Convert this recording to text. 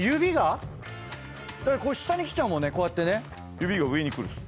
指が上にくるんです。